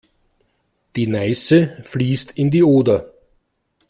Die Neiße fließt in die Oder.